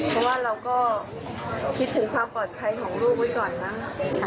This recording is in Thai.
เพราะว่าเราก็คิดถึงความปลอดภัยของลูกไว้ก่อนมั้ง